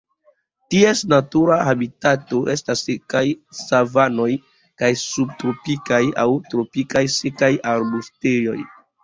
Ties natura habitato estas sekaj savanoj kaj subtropikaj aŭ tropikaj sekaj arbustejoj.